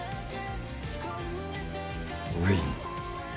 ウィン。